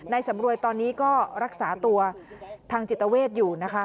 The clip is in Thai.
สำรวยตอนนี้ก็รักษาตัวทางจิตเวทอยู่นะคะ